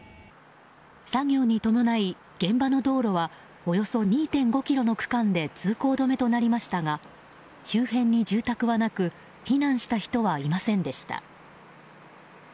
作業に伴い、現場の道路はおよそ２．５ｋｍの区間で通行止めとなりましたが周辺に住宅はなく避難した人はいませんでした。